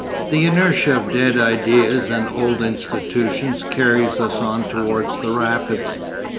The inertia of dead ideas and old institutions carries us on towards the rapids.